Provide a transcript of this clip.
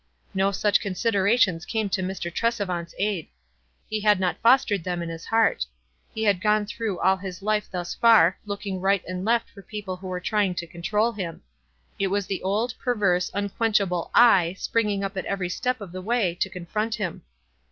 Xo such considerations came to Mr. Tresevant's aid. He had not fos tered them in his heart. lie had <rone through all his life thus far, looking right aud left for people who were trying to control him. It was the old, perverse, unquenchable /springing up at every step of the way to confront him.